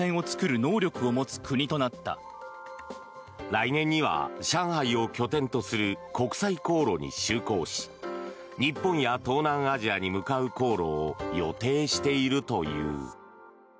来年には上海を拠点とする国際航路に就航し日本や東南アジアに向かう航路を予定しているという。